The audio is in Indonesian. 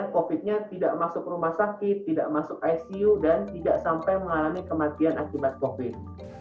covid nya tidak masuk rumah sakit tidak masuk icu dan tidak sampai mengalami kematian akibat covid